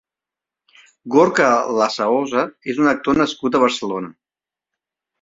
Gorka Lasaosa és un actor nascut a Barcelona.